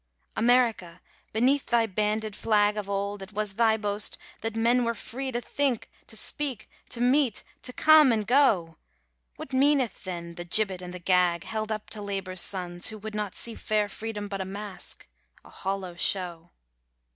America, beneath thy banded flag Of old it was thy boast that men were free To think, to speak, to meet, to come and go. What meaneth then the gibbet and the gag Held up to Labour's sons who would not see Fair Freedom but a mask—a hollow show?